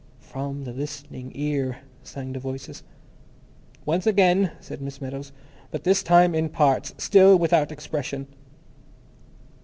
From the Listening Ear, sang the voices. "Once again," said Miss Meadows. "But this time in parts. Still without expression."